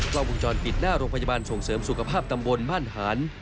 กล้องวงจรปิดหน้าโรงพยาบาลส่งเสริมสุขภาพตำบลบ้านหาน